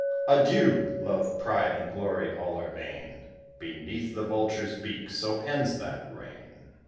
Adieu! love, pride, and glory, all are vain Beneath the vulture's beak; so ends that reign.